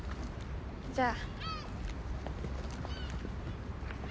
じゃあ。